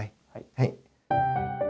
はい。